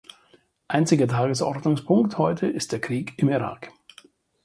Einziger Tagesordnungspunkt heute ist der Krieg im Irak.